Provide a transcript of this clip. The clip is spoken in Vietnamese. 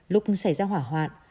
lúc xảy ra hỏa hoạn